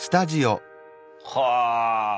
はあ！